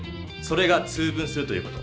それが「通分する」という事。